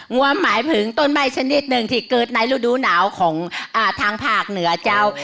วมหมายถึงต้นใบ้ชนิดหนึ่งที่เกิดในฤดูหนาวของทางภาคเหนือเจ้า